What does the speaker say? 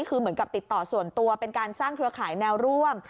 คือเหมือนกับติดต่อส่วนตัวเป็นการสร้างเครือข่ายแนวร่วม